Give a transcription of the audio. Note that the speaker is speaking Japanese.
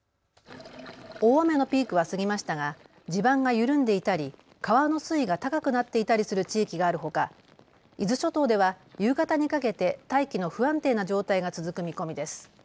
大雨のピークは過ぎましたが地盤が緩んでいたり川の水位が高くなっていたりする地域があるほか伊豆諸島では夕方にかけて大気の不安定な状態が続く見込みです。